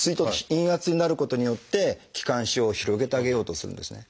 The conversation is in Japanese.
陰圧になることによって気管支を広げてあげようとするんですね。